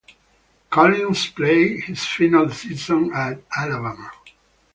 Collins played his final season at Alabama.